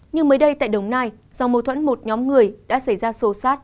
nhưng mới đây tại đồng nai do mâu thuẫn một nhóm người đã xảy ra sô sát